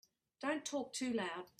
Don't talk too loud.